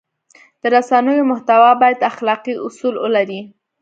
د رسنیو محتوا باید اخلاقي اصول ولري.